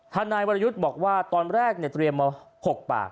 ทนายวรยุทธ์บอกว่าตอนแรกเตรียมมา๖ปาก